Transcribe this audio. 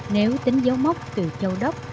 nếu tính dấu mốc từ châu đốc